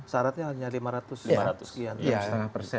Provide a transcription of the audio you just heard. syaratnya hanya lima ratus sekian atau setengah persen